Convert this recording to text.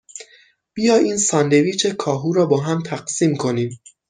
بیا این ساندویچ کاهو را باهم تقسیم کنیم.